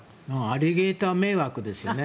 アリゲーター迷惑ですよね。